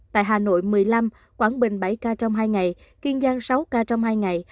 tại hà nội một mươi năm quảng bình bảy ca trong hai ngày kiên giang sáu ca trong hai ngày